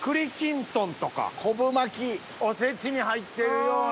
おせちに入ってるような。